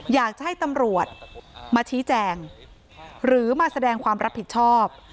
อยากจะให้ตำรวจมาชี้แจงหรือมาแสดงความรับผิดชอบ